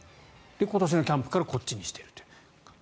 今年のキャンプからこっちにしているという。